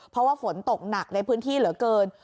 เพราะว่าฝนตกหนักในพื้นที่เหลือเกิน